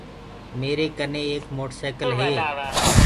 ميري ڪني ايڪ موٽر سيڪل هي۔